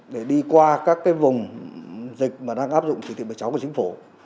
để đi qua các vùng dịch mà đang áp dụng thủy thị bài chóng của chính phủ